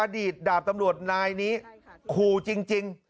ดาบตำรวจนายนี้ขู่จริง